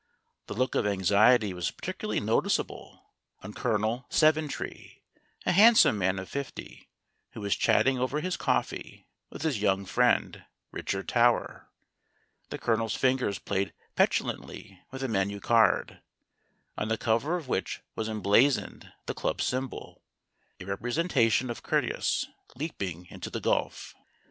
The look of anxiety was par ticularly noticeable on Colonel Seventree, a handsome man of fifty, who was chatting over his coffee with his young friend, Richard Tower. The Colonel's fingers played petulantly with a menu card, on the cover of which was emblazoned the club symbol, a representa tion of Curtius leaping into the gulf.